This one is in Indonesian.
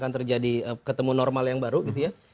akan terjadi ketemu normal yang baru gitu ya